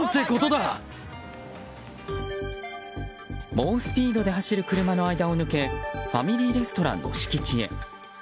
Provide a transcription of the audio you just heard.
猛スピードで走る車の間を抜けファミリーレストランの敷地へ。